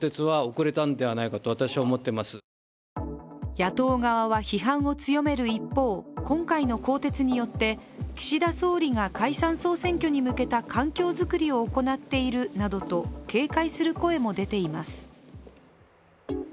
野党側は批判を強める一方、今回の更迭によって岸田総理が解散総選挙に向けた環境作りを行っているなどと警戒する声も出ています。